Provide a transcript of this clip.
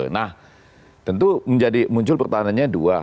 nah tentu muncul pertanyaannya dua